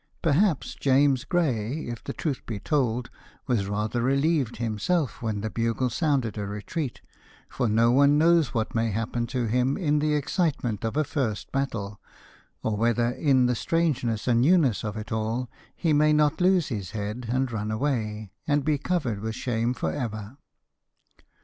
Perhaps 'James Gray,' if the truth be told, was rather relieved himself when the bugle sounded a retreat, for no one knows what may happen to him in the excitement of a first battle; or whether in the strangeness and newness of it all, he may not lose his head and run away, and be covered with shame for ever.